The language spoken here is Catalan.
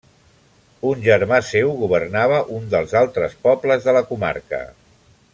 Un germà seu governava un dels altres pobles de la comarca.